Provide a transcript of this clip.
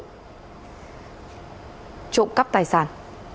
trộm cắp tài sản